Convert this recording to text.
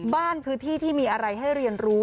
บ้านคือที่ที่มีอะไรให้เรียนรู้